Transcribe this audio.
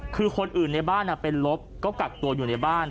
คือคนอื่นในบ้านเป็นลบก็กักตัวอยู่ในบ้าน